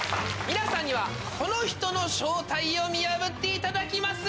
皆さんにはこの人の正体を見破っていただきます。